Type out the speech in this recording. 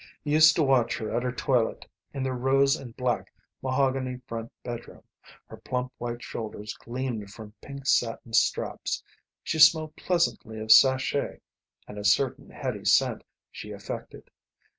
He used to watch her at her toilette in their rose and black mahogany front bedroom. Her plump white shoulders gleamed from pink satin straps. She smelled pleasantly of sachet and a certain heady scent she affected.